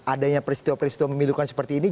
adanya peristiwa peristiwa memilukan seperti ini